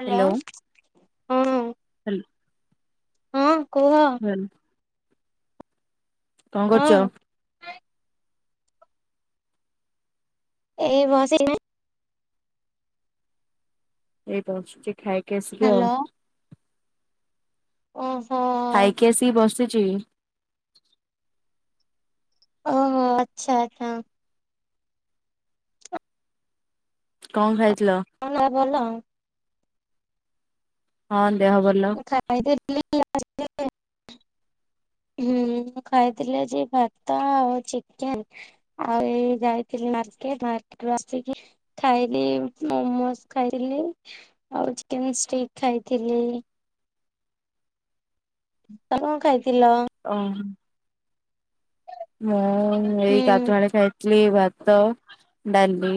Hello ହୁଁ hello ହଁ କୁହ [inaudible] [unintelligible] କଣ ହଁ କରୁଛ? ଏଇ ବସିକିନା ଏଇ ବସଛି ଖାଇକି ଆସିକି ଆଉ ହ୍ୟାଲୋ। ଓହୋ ଖାଇକି ଆସିକି ବସିଚି। ଓହୋ ଆଚ୍ଛା ଆଚ୍ଛା କଣ ଖାଇଥିଲ? ତମ ଦେହ ଭଲ। ହଁ ଦେହ ଭଲ। ଖାଇ ଦେ [unintelligible] [unintelligible] ହୁଁ ମୁଁ ଖାଇଥିଲି ଆଜି ଭାତ ଆଉ ଚିକେନ। ଆଉ ଏଇ ଯାଇଥିଲି ମାର୍କେଟ ମାର୍କେଟ ରୁ ଆସିକି ଖାଇଲି ମୋମୋ ଖାଇଥିଲି ଆଉ ଚିକେ ଷ୍ଟିକ ଖାଇଥିଲି। ତ କଣ ଖାଇଥିଲ। ଓହୋ ମୁଁ ହୁଁ ଏଇ ଗାଧୁଆଳେ ଖାଇଥିଲି ଭାତ ଡାଳି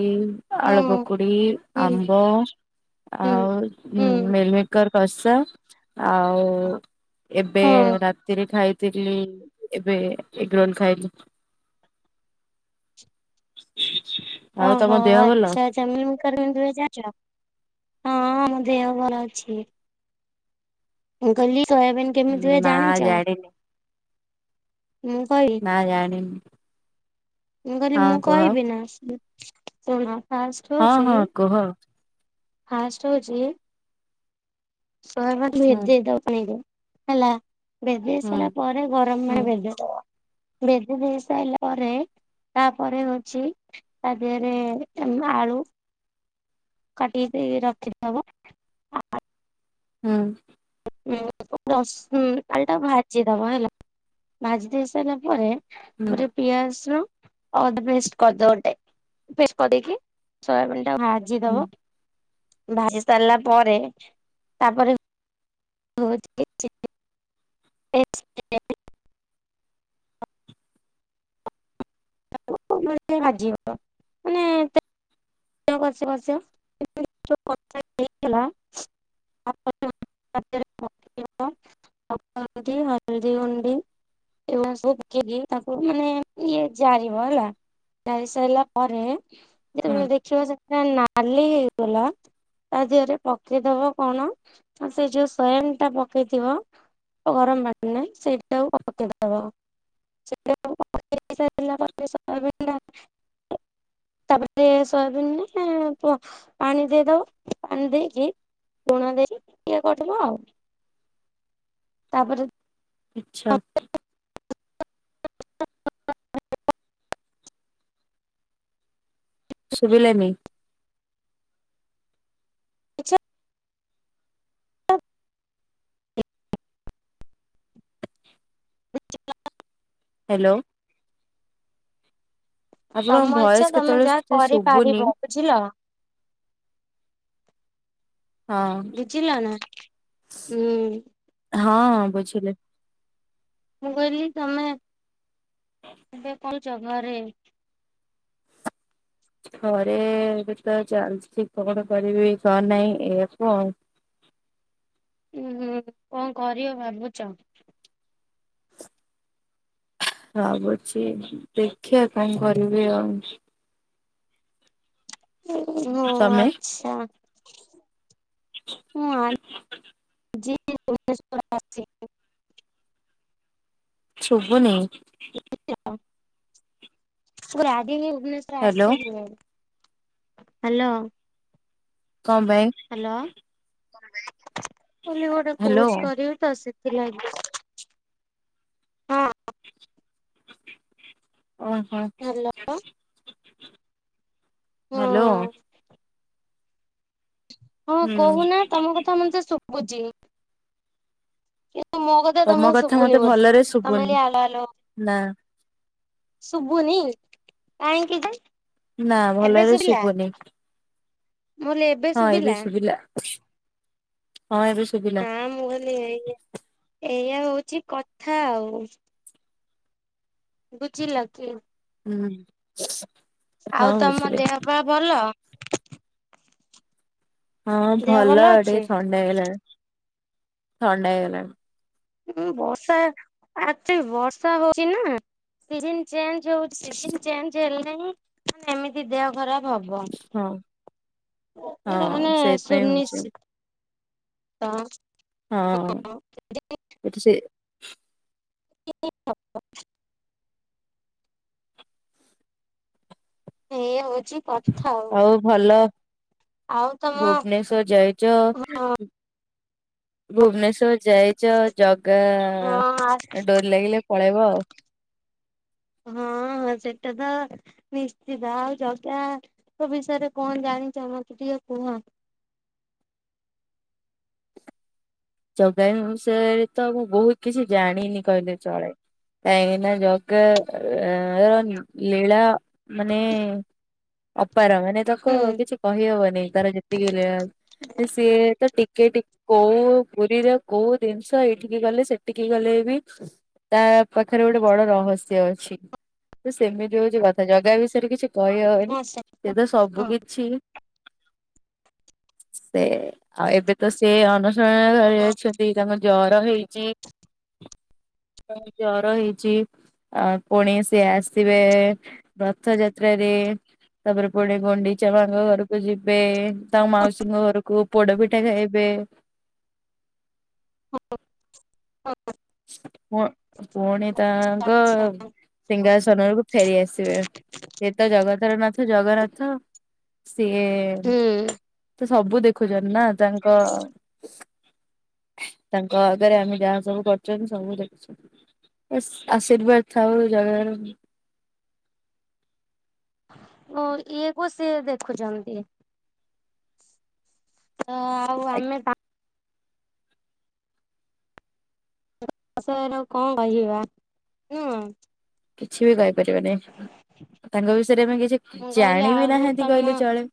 ହଁ ଆଳୁ ପକୁଡ଼ି ହୁଁ ଆମ୍ବ ହୁଁ। ଆଉ ହ ହୁଁ ମେଲମ କଷା ଆଉ ଏବେ ହଁ ରାତିରେ ଖାଇ ଏବେ ଏଗ୍ ରୋଲ୍ ଖାଇଲି। [unintelligible] ଓହୋ ଦେହ ଭଲ? ଆଚ୍ଛା ଆଚ୍ଛା [unintelligible] [unintelligible] ଜାଣିଛ। ହଁ ମୋ ଦେହ ଭଲ ଅଛି। ମୁଁ କହିଁଲି ସୋୟାବିନ କେମିତି ହୁଏ ନା ଜାଣିଛ? ଜାଣିନି। [inaudible] ମୁଁ କହି ନା ଜାଣିନି। ମୁଁ କହିଲି ମୁଁ ହଁ କୁହ। କହିବି ନା। ଫାଷ୍ଟ ହଁ ହଁ ହଉଛି କୁହ। ଫାଷ୍ଟ ହଉଛି ସୋୟାବିନ ହୁଁ ଭେଦେଇଦବ ପାଣିରେ ହେଲା ଭେଦେଇ ହୁଁ। ସାରିଲା ପରେ ଆ ହୁଁ ଗରମରେ ଭେଦଉଥିବ ବେଦି ଦେଇ ସାରିଲା ପରେ ତାପରେ ହଉଛି ତା ଦେହରେ ଆଳୁ କାଟି ଦେଇ ରଖିଦବ ହୁଁ। [inaudible] ଭାଜିଦବା ହେଲା ଭାଜି ଦେଇ ସାରିଲା ପରେ ହୁଁ ପରେ ପିଆଜ [inaudible] ହୁଁ ଭାଜିଦବ ଭାଜି ସାରିଲା ପରେ ତାପରେ [inaudible] [inaudible] ଜିିବ ମାନେ [inaudible] ହେଇଥିଲା। [inaudible] [inaudible] ହଳଦୀ ଗୁଣ୍ଡି। ଏବଂ ସବୁ ପକେଇକି ତାକୁ ମାନେ ଇଏ ଜାରିବ ହେଲା। [inaudible] ସାରିଲା ପରେ ହୁଁ ଯେତେବେଳେ ଦେଖିବା ସେଟା ନାଲି ହେଇଗଲା ତା ଦେହରେ ପକେଇଦବ କଣ ନା ସେ ଯୋଉ ସୋୟାବିନଟା ପକେଇଥିବ [inaudible] ସେଇଟାକୁ ପକେଇଦେବ। [inaudible] ତାପରେ। ସୋୟାବିନରେ ପାଣି ଦେଇଦେବ ପାଣି ଦେଇକି ଲୁଣ ଦେଇ ଇଏ କରିଦେବ ଆଉ। ତାପରେ ଆଚ୍ଛା। [inaudible] ଶୁଭିଲାନି। ଇଚ୍ଛା [inaudible] ହ୍ୟାଲୋ। ଆପଣଙ୍କ ତମ ଇଚ୍ଛା ଭଏସ ତମେ କେତେବେଳେ ଯାହା କିଛି ଶୁଭୁନି କରିପାରିବ ବୁଝିଲ। ହଁ, ବୁଝିଲ ନା ହୁଁ ହଁ ବୁଝିଲି। ମୁଁ କହିଲି ତମେ ଏବେ [inaudible] ଘରେ। ଘରେ ଏବେ ତ ଚାଲିଛି କଣ କରିବି କଣ ନାହିଁ ଏଇଆକୁ ଆଉ। ଉୁଁ ହୁଁ କଣ କରିବ ଭାବୁଛ? ଭାବୁଛି, ଦେଖିବା କଣ କରିବି ଆଉ। ହଁ ତମେ ଆଚ୍ଛା। ମୁଁ [inaudible] [inaudible] ଶୁଭୁନି। [unintelligible] ଭୁଗନେଶ୍ୱର ହ୍ୟାଲୋ [unintelligible] ହ୍ୟାଲୋ। କଣ ପାଇଁ? ହ୍ୟାଲୋ। କହିଲି ଗୋଟେ ହ୍ୟାଲୋ କୋର୍ସ କରିବି ତ ସେଥିଲାଗି। ହଁ ଓହୋ ହ୍ୟାଲୋ ହଁ ହ୍ୟାଲୋ। ହଁ ହୁଁ କହୁନା ତମ କଥା ମତେ ଶୁଭୁଛି। ମୋ କଥା ତମ ତମକୁ ମତେ ଶୁଭୁନି ଭଲରେ ବୋଧେ ଶୁଭୁନି ତମେ ଖାଲି ଆଲ ଆଲ ନା ଶୁଭୁନି କାହିଁକି ଯେ? ନା ଏବେ ଭଲରେ ଶୁଭିଲା ଶୁଭୁନି ମୁଁ ହଁ ଏବେ ଶୁଭିଲା ହଁ ଏବେ ଶୁଭିଲା। ହଁ ମୁଁ କହିଲି ଏଇ ଏଇଆ ହଉଛି କଥା ଆଉ। ବୁଝିଲ କି? ହୁଁ। ଆଉ ହଁ ତମ ବୁଝିଲି ଦେହ ପାଅ ଭଲ? ହଁ ଦେହ ଭଲ ଅଛି? ଟିକେ ଥଣ୍ଡା ହେଇଗଲାଣି। ଥଣ୍ଡା ହେଇଗଲାଣି। ହଁ ବର୍ଷା ଆଚୁଲି ବର୍ଷା ହଉଛି, ନା ସିଜନ୍ ଚେଞ୍ଜ ଯୋଉ ସିଜିନ୍ ଚେଞ୍ଜ ହେଲାଣି ହିଁ ଏମିତି ଦେହ ଖରାପ ହବ ହଁ ଏଟା ହଁ ମାନେ ସେଇଥିପାଇଁ ହଉଛି ସୁନିଶ୍ଚିତ। ତ ହଁ ଏଠି ସେ [unintelligible] ଏଇ ହଉଛି ଆଉ ଭଲ। ଆଉ ତମ ଭୁବନେଶ୍ଵର ଯାଇଚ। ଭୁବନେଶ୍ଵର ଯାଇଚ ଜଗା ହଁ ଡୋରି ଲାଗିଲେ ପଳେଇବ ଆଉ। ହଁ ହଁ ସେଟା ତ ନିଶ୍ଚିତ, ଆଉ ଜଗା ଜଗା ଙ୍କ ବିଷୟରେ କଣ ଜାଣିଛ ମତେ ଟିକେ କୁହ? ଜଗାଙ୍କ ବିଷୟରେ ତ ମୁଁ ବହୁତ କିଛି ଜାଣିନି କହିଲେ ଚଳେଇ। କାଇଁକି ନା ଜଗା ର ଲୀଳା ମାନେ ଅପାର ମାନେ ତାକୁ କିଛି କହିହବନି ତାର ଯେତିକି ଲୀଳା ସିଏ ତ ଟିକେ, ଟିକେ କୋଉ ପୁରୀରେ କୋଉ ଜିନିଷ ଏଇଠିକି ଗଲେ ସେଠିକି ଗଲେ ବି ତା ପାଖରେ ଗୋଟେ ବଡ ରହସ୍ୟ ଅଛି। ତ ସେମିତି ହଉଛି କଥା। ଜଗା ବିଷୟରେ କିଛି କହି ହଉନି। ଆଚ୍ଛା ସେ ତ ସବୁ ହଁ କିଛି ସେ ଆଉ ଏବେ ତ ସେ ଅନସ ଅନସଣ ଘରେ ଅଛନ୍ତି ତାଙ୍କ ଜର ହେଇଚି। ଜର ହେଇଚି। ଆ ପୁଣି ସିଏ ଆସିବେ ରଥଯାତ୍ରାରେ। ତାପରେ ପୁଣି ଗୁଣ୍ଡିଚା ମାଙ୍କ ଘରକୁ ଯିବେ ତାଙ୍କ ମାଉସୀଙ୍କ ଘରକୁ ପୋଡ ପିଠା ଖାଇବେ। ଓହୋ। ପ ପୁଣି ତାଙ୍କ ଆଚ୍ଛା ସିଂହାସନ କୁ ଫେରି ଆସିବେ। ସେ ତ ଜଗତର ନାଥ ଜଗନ୍ନାଥ। ସିଏ, ହୁଁ ସେ ସବୁ ଦେଖୁଛନ୍ତି ନା ତାଙ୍କ ତାଙ୍କ ଆଗରେ ଆମେ ଯାହା ସବୁ କରୁ ଛନ୍ତି ସବୁ ଦେଖୁଛନ୍ତି। ଆଶୀର୍ବାଦ ଥାଉ ଜାଗାର ଓ ଇ ସିଏ ଦେଖୁଛନ୍ତି। ହଁ ଆଉ ଆମେ ପା ବିଷୟରେ ଆଉ କଣ କହିବା? ନୁହଁ। କିଛି ବି କହିପାରିବାନି। ତାଙ୍କ ବିଷୟରେ ଆମେ କିଛି ମୁଁ କହିଲି ଜାଣିବି ଆଉ ନାହାନ୍ତି ତମ କହିଲେ ଚଳେ।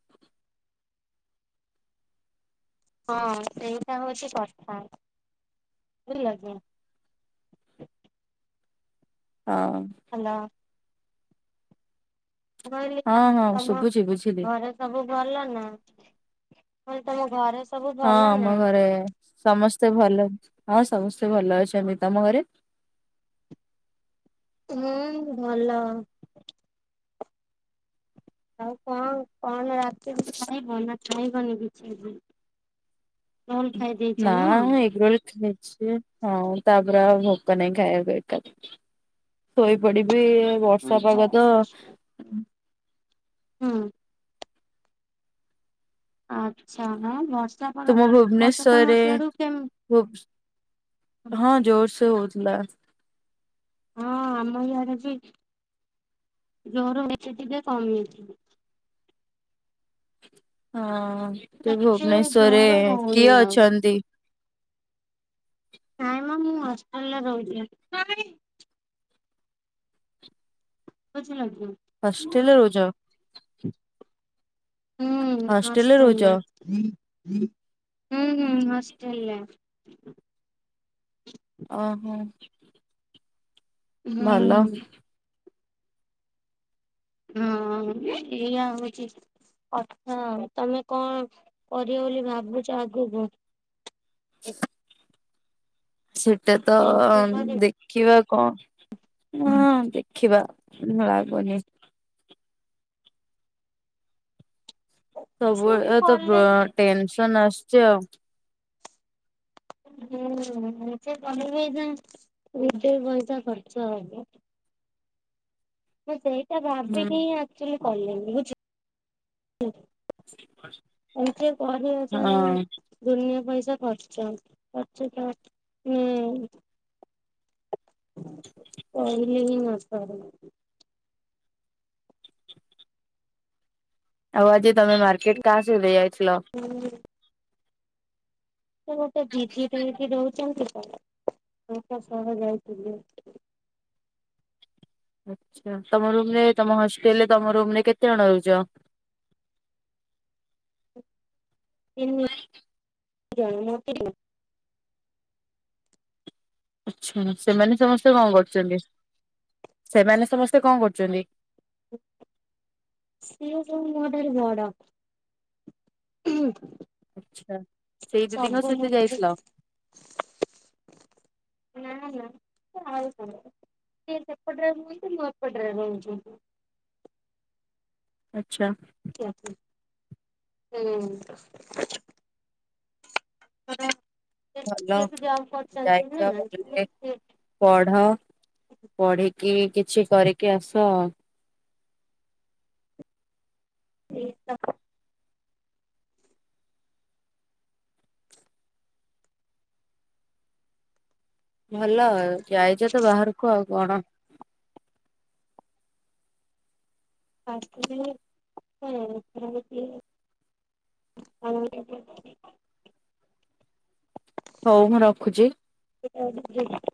ହଁ ସେଇଟା ହଉଛି କଥା ବୁଝିଲ କି? ହଁ। ହ୍ୟାଲୋ। ମୁଁ କହିଲି ଆଉ ହଁ ହଁ ତମ ଶୁଭୁଛି ବୁଝିଲି। ଘରେ ସବୁ ଭଲ ନା? ମୁଁ କହିଲି ତମ ଘରେ ସବୁ ହଁ ଭଲ ଆମ ନା? ଘରେ ସମସ୍ତେ ଭଲ ହଁ ସମସ୍ତେ ଭଲ ଅଛନ୍ତି। ତମ ଘରେ? ହୁଁ ଭଲ। ଆଉ କଣ କଣ ରାତିରେ ଖାଇବ ନା ଖାଇବନି କିଛି ବି? ରୋଲ ଖାଇଦେଇ ନା ଏଗ ରୋଲ ଖାଇଛି ହଁ ତା ପରେ ଆଉ ଭୋକ ନାହିଁ ଖାଇବାପାଇଁ କା। ଶୋଇପଡ଼ିବେ ଏ ବର୍ଷା ପାଗ ତ। ହୁଁ। ଆଚ୍ଛା ହଁ ବର୍ଷା ପାଗ ତୁମ ବର୍ଷା ତମ ଭୁବନେଶ୍ଵରରେ ସିଆଡ଼କୁ କେମିତି? [unintelligible] ହଁ ଜୋରସ ହଉଥିଲା। ହଁ ଆମ ଇଆଡ଼େ ବି ଜୋର ହେଇକି ଟିକେ କମିଛି। ହଁ ଯେ ଏତେ ଭୁବନେଶ୍ଵରରେ ଜୋର କିଏ ହଉନି ଆଉ ଅଛନ୍ତି? ହଁ ହିଁ ମୁଁ ହଷ୍ଟେଲରେ ରହୁଥିଲି। ବୁଝିଲ କି? ହଷ୍ଟେଲ ରହୁଚ। ହୁଁ ହଷ୍ଟେଲରେ ନଷ୍ଟ ରହୁଛ ହେଲା। [inaudible] ହୁଁ ହୁଁ ନଷ୍ଟ ହେଲା। ଓହୋ। ହୁଁ। ଭଲ ହଁ ଏଇଆ ଅନୁଚିତି। ଆଚ୍ଛା ତମେ କଣ କରିବ ବୋଲି ଭାବୁଛ ଆଗକୁ? [unintelligible] ସେଟା ତ ଏମ୍ ସି ଏ କରିବ? ଦେଖିବା କଣ ହୁଁ ଦେଖିବା ଲାଗୁନି। ସେ ବି ସବୁବେଳେ ତ କଲେ ବି ଟେନସନ ଆସୁଛି ଆଉ। ହଁ ସେ କଲେବି ଏଇ ନା ମିଟିଙ୍ଗି ପଇସା ଖର୍ଚ୍ଚ ହବ। ମୁଁ ସେଇଟା ହୁଁ ଭାବିକି ହିଁ ଆସିଥିଲି କହିବାକୁ ବୁଝିଲୁ ହଁ [unintelligible] ଦୁନିଆ ପଇସା ଖର୍ଚ୍ଚ ଅଛି ତ ହୁଁ। କହିଲେ ବି ନସରେ। ଆଉ ଆଜି ତମେ ମାର୍କେଟ କାହା ସହିତ ଯାଇଥିଲ? ହୁଁ। ସେ ଗୋଟେ ଜିଦି ନେଇକି ରହୁଛି ତ ତାଙ୍କ ସହ ଯାଇଥିଲି। ଆଛା ତମ ରୁମରେ ତମ ହଷ୍ଟେଲରେ ତମ ରୁମ ରେ କେତେ ଜଣ ରହୁଛ? ତିନିଜଣ [unintelligible] ଆଛା ସେମାନେ ସମସ୍ତେ କଣ କରୁଛନ୍ତି ସେମାନେ ସମସ୍ତେ କଣକରୁଛନ୍ତି? ସିଏ ହେଉଛନ୍ତି ମୋ ଠାରୁ ବଡ଼ ହୁଁ। ଆଛା ସେଇ ଦିଦିଙ୍କ ମୋ ସହିତ ଠାରୁ ଯାଇଥିଲ? ନା ନା ସେ ଆଉ ଜଣେ। ସେ ସେପଟରେ ରୁହଛି ମୁଁ ଏପଟରେ ରହୁଛି ଆଛା। ହଁ ହୁଁ। ସିଏ ଭଲ ଜିପି ଏଫ ଜବ୍ କରଛନ୍ତି ଯାଇଛ ଭଲରେ ନା ପଢ ପଢିକି କିଛି କରିକି ଆସ ଆ [inaudible] ଭଲ ଯାଇଛ ତ ବାହାରକୁ ଆଉ କଣ [inaudible] [inaudible] ହଉ ମୁଁ ରଖୁଛି [inaudible]